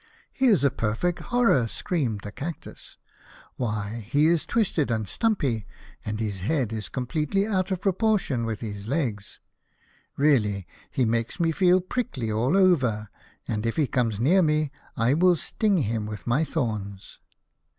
"He is a perfect horror!" screamed the Cactus. " Why, he is twisted and stumpy, and his head is completely out of proportion with his legs. Really he makes me feel prickly all over, and if he comes near me I will sting him with my thorns."